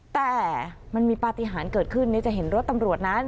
แต่มันมีปฏิหารเกิดขึ้นจะเห็นรถตำรวจนั้น